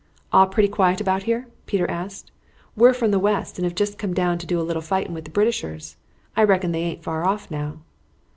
"All pretty quiet about here?" Peter asked. "We're from the West, and have jest come down to do a little fighting with the Britishers. I reckon they aint far off now?"